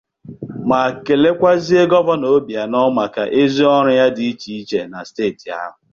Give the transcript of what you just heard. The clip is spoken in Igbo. ma kelekwazie Gọvanọ Obianọ maka ezi ọrụ ya dị iche iche na steeti ahụ.